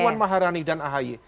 puan maharani dan ahy